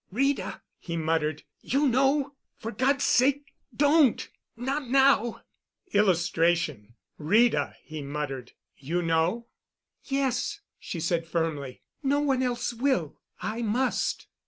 "Rita!" he muttered, "You know? .... For God's sake, don't! ... Not now!" [Illustration: "'Rita!' he muttered, 'You know?'"] "Yes," she said firmly. "No one else will. I must."